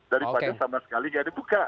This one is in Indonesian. daripada sama sekali nggak dibuka